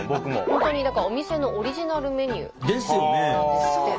本当にだからお店のオリジナルメニューなんですって。